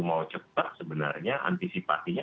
mau cepat sebenarnya antisipatinya